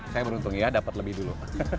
saya beruntung ya dapat lebih dulu